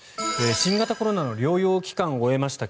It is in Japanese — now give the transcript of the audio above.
新型コロナの療養期間を終えました